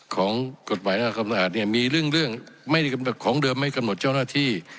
ของกฎหมายราวความสะอาดมีเรื่องของเดิมไม่กำหนดเจ้านาธิ